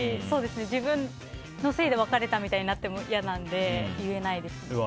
自分のせいで別れたみたいになっても嫌なので、言えないです。